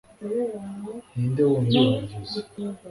ninde wundi wabivuze